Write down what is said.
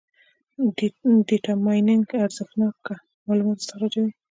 د ډیټا مایننګ ارزښتناکه معلومات استخراجوي.